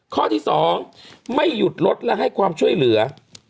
ข้อที่๒ไม่หยุดรถและให้ความช่วยเหลือ